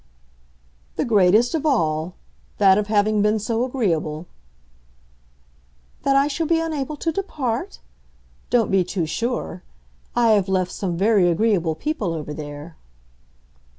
"The greatest of all—that of having been so agreeable——" "That I shall be unable to depart? Don't be too sure. I have left some very agreeable people over there."